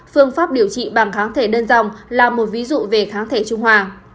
phương pháp điều trị bằng kháng thể đơn dòng là một ví dụ về kháng thể trung hòa